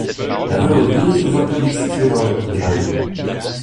La rue Olier est une voie publique située dans le de Paris.